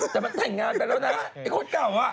แต่มันแต่งงานไปแล้วนะไอ้คนเก่าอ่ะ